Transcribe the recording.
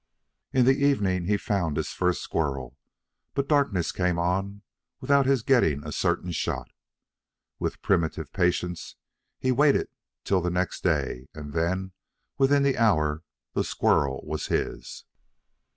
In the evening he found his first squirrel, but darkness came on without his getting a certain shot. With primitive patience he waited till next day, and then, within the hour, the squirrel was his.